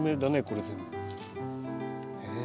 これ全部。